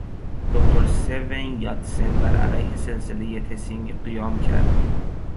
دکتر سون یاتسن بر علیه سلسلهٔ تسینگ قیام کرد.